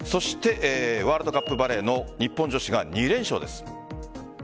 ワールドカップバレーの日本女子が２連勝です。